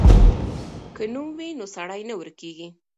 که نوم وي نو سړی نه ورکېږي.